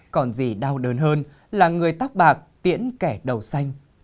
còn gì đau đớn hơn là người tóc bạc tiễn kẻ đầu xanh